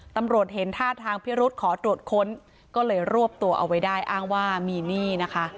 ตำรวจเห็นท่าทางพิรุษขอตรวจค้นก็เลยรวบตัวเอาไว้ได้อ้างว่ามีหนี้นะคะ